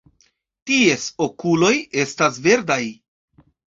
Ties okuloj estas verdaj.